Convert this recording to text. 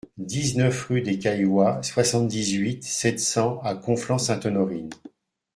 dix-neuf rue des Cailloys, soixante-dix-huit, sept cents à Conflans-Sainte-Honorine